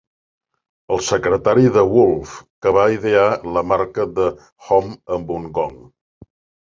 El secretari de Woolf, que va idear la marca de "home amb un gong".